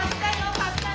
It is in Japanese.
勝ったよ。